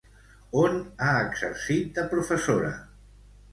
On ha exercit de professora?